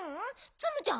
ツムちゃん！